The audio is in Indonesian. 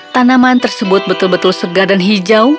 tanaman tersebut betul betul segar dan hijau